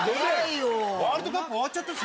ワールドカップ終わっちゃったしな。